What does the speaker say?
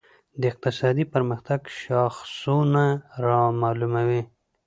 د اقتصادي پرمختګ شاخصونه دا معلوموي.